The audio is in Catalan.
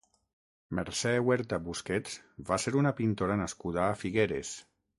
Mercè Huerta Busquets va ser una pintora nascuda a Figueres.